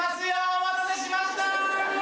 お待たせしました！